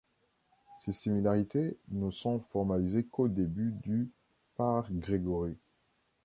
Ces similarités ne sont formalisées qu'au début du par Gregory.